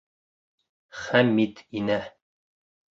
Хәмит инә.